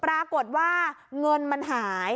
ปรากฏว่าเงินมันหาย